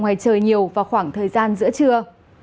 ngoài trời nhiều và khoảng thời gian giữa trưa